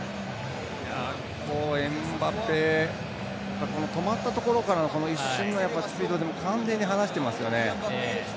エムバペ止まったところからの一瞬のスピードで完全に離していますよね。